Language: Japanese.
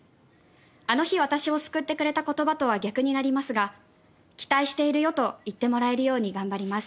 あの日私を救ってくれた言葉とは逆になりますが「期待しているよ」と言ってもらえるように頑張ります。